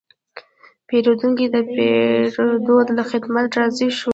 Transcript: پیرودونکی د پیرود له خدمت راضي شو.